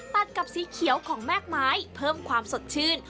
ตัดกับสีเขียวของแม่กไม้เพิ่มความสดชื่น